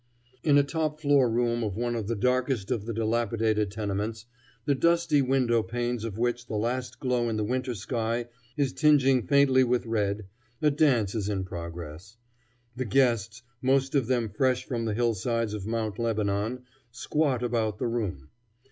In a top floor room of one of the darkest of the dilapidated tenements, the dusty window panes of which the last glow in the winter sky is tinging faintly with red, a dance is in progress. The guests, most of them fresh from the hillsides of Mount Lebanon, squat about the room.